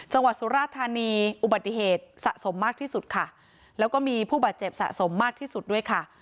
สุราธานีอุบัติเหตุสะสมมากที่สุดค่ะแล้วก็มีผู้บาดเจ็บสะสมมากที่สุดด้วยค่ะ